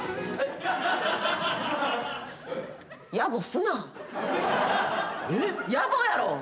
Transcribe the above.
やぼやろ！